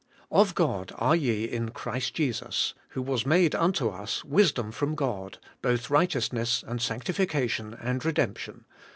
'Of God are ye in Christ Jesus, who was made unto us wisdom from God, both righteousness and sanctification, and redemption.